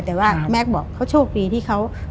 แต่ว่าแม็กซ์บอกเขาโชคดีที่เขา